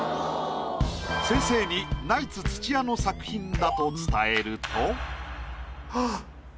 先生にナイツ・土屋の作品だと伝えると。